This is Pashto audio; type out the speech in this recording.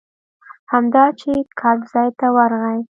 همدا چې ګټ ځای ته ورغی.